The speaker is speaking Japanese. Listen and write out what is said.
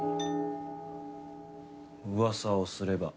噂をすれば。